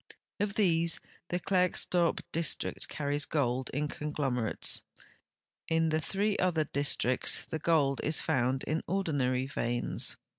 Of these the Klerksdorp district carries gold in conglomerates. In the three other districts the gold is found in ordinary veins.